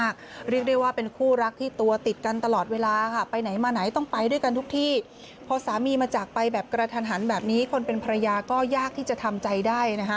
ก็ยากที่จะทำใจได้นะฮะ